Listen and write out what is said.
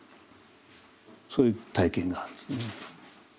そういう体験があるんですね。